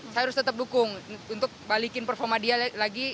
saya harus tetap dukung untuk balikin performa dia lagi